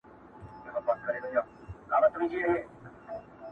يا نه کم، چي کم نو د خره کم.